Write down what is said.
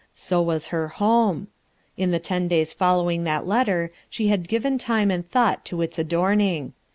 So was her home. In tho ten days following that letter she had given time and thought to its adorning.